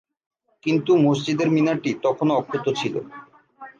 কিন্তু মসজিদের মিনার টি তখনও অক্ষত ছিল।